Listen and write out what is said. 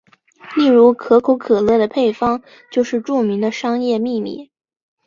例如可口可乐的配方就是著名的商业秘密。